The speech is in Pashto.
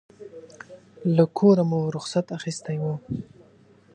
له کوره مو رخصت اخیستی و.